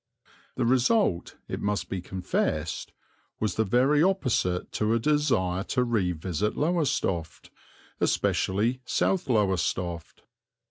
The result, it must be confessed, was the very opposite to a desire to revisit Lowestoft, especially South Lowestoft.